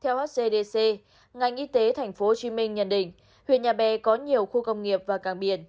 theo hcdc ngành y tế tp hcm nhận định huyện nhà bè có nhiều khu công nghiệp và càng biển